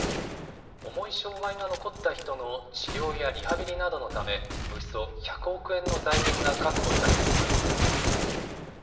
重い障害が残った人の治療やリハビリなどのため、およそ１００億円の財源が確保される見込みです。